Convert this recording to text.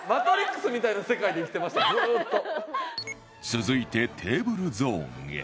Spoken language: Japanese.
続いてテーブルゾーンへ